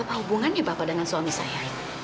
apa hubungannya bapak dengan suami saya